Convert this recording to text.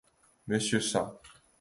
Monsieur St.